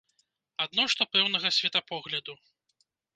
Адно што пэўнага светапогляду.